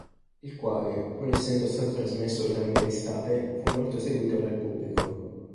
Il quale, pur essendo stato trasmesso durante l'estate, fu molto seguito dal pubblico.